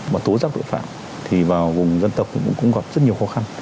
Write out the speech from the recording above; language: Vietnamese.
và tố giác đội phạm thì vào vùng dân tộc cũng gặp rất nhiều khó khăn